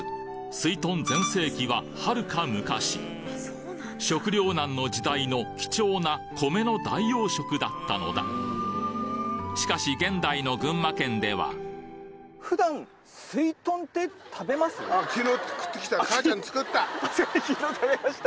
すいとん全盛期ははるか昔食糧難の時代の貴重な米の代用食だったのだしかし昨日食べました？